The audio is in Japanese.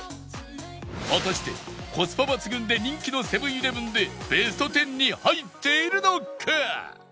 果たしてコスパ抜群で人気のセブン−イレブンでベスト１０に入っているのか？